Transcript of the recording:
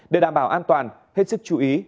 để đảm bảo an toàn hết sức chú ý